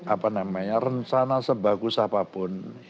apa namanya rencana sebagus apapun